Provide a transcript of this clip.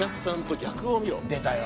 出たよ。